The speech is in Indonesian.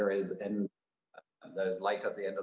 tapi biarkan saya mengatakan beberapa hal